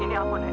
ini aku nenek